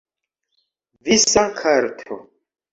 Visa karto.